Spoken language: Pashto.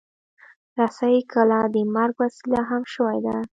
رسۍ کله د مرګ وسیله هم شوې ده.